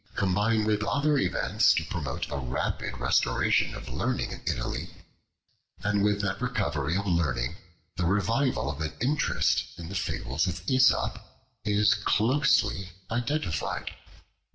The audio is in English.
combined with other events to promote the rapid restoration of learning in Italy; and with that recovery of learning the revival of an interest in the Fables of Aesop is closely identified.